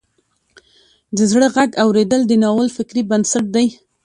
د زړه غږ اوریدل د ناول فکري بنسټ دی.